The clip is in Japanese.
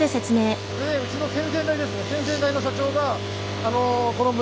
そこでうちの先々代ですね